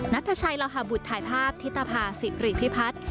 นัทชัยลาหบุตรถ่ายภาพธิตภาษิริพิพัฒน์